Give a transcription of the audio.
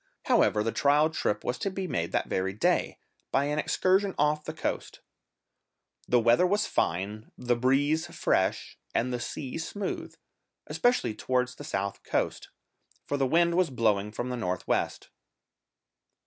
However the trial trip was to be made that very day, by an excursion off the coast. The weather was fine, the breeze fresh, and the sea smooth, especially towards the south coast, for the wind was blowing from the north west.